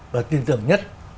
và tin tưởng nhất